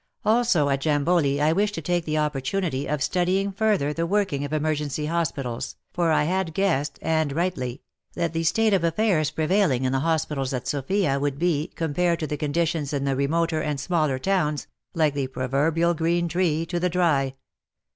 Also at Jamboli I wished to take the opportunity of studying further the working of emergency hospitals, for I had guessed, and rightly, that the state of affairs prevailing in the hospitals at Sofia would be, compared to the conditions in the remoter and smaller towns, like the proverbial green tree to the dry.